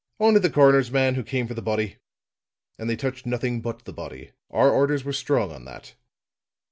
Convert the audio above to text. "Only the coroner's man, who came for the body. And they touched nothing but the body. Our orders were strong on that."